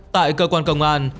tại cơ quan công an